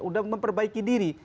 sudah memperbaiki diri